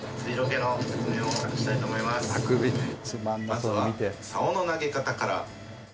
「まずは竿の投げ方から」